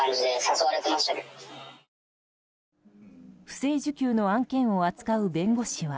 不正受給の案件を扱う弁護士は。